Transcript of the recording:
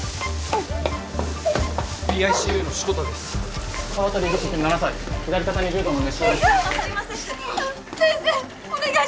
はい。